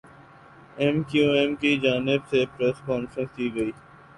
M Q M کی جانب سے پریس کانفرنس کی گئی